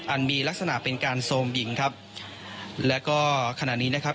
มีลักษณะเป็นการโทรมหญิงครับแล้วก็ขณะนี้นะครับ